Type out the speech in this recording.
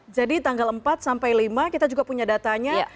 jadi tanggal empat sampai lima kita juga punya datanya